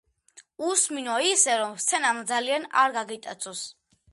უსმინო ისე, რომ სცენამ ძალიან არ გაგიტაცოს.